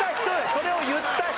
それを言った人。